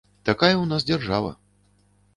Такая ў нас дзяржава.